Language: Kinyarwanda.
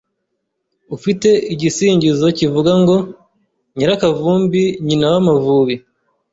ufite igisingizo kivuga ngo ”Nyirakavumbi nyina w’Amavubi”